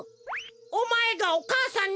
おまえがお母さんに！